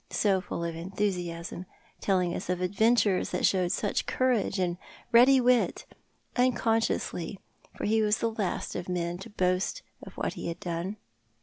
So full of enthusiasm—telling us of adventures that showed such courage and ready wit — unconsciously, for he was the last of men to boast of what he had done.